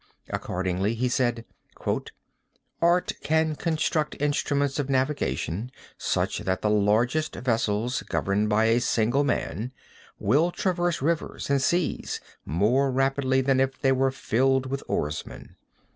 Accordingly he said: "Art can construct instruments of navigation such that the largest vessels governed by a single man will traverse rivers and seas more rapidly than if they were filled with oarsmen.